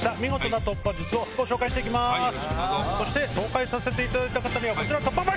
紹介させていただいた方には。